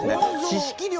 知識量が。